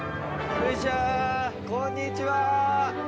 こんにちは。